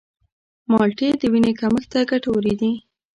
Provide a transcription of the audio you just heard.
مالټې د وینې کمښت ته ګټورې دي.